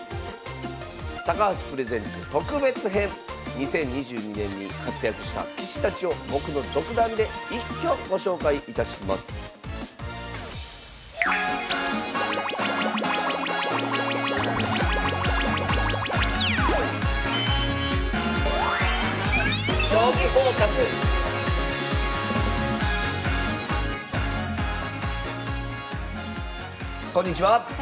２０２２年に活躍した棋士たちを僕の独断で一挙ご紹介いたしますこんにちは。